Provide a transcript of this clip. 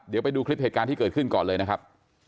เดี๋ยวไปดูคลิปเหตุการณ์ที่เกิดขึ้นก่อนเลยนะครับ